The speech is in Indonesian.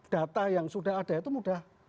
data yang sudah ada itu mudah